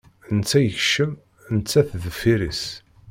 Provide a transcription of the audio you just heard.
Netta yekcem, nettat deffir-s.